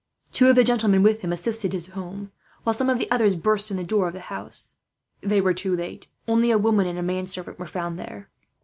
Two of the gentlemen with him assisted him home, while some of the others burst in the door of the house. "They were too late. Only a woman and a manservant were found there.